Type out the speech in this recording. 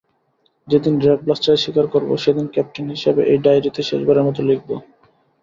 যেদিন রেড ব্লাস্টারের শিকার করবো, সেদিন ক্যাপ্টেন হিসাবে এই ডায়েরিতে শেষবারের মতো লিখবো।